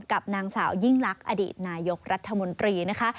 กับนางสาวยิ่งลักษณ์อดีตนายกรัฐมนตรีนะคะ